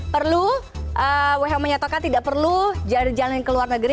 perlu who menyatakan tidak perlu jalan jalan ke luar negeri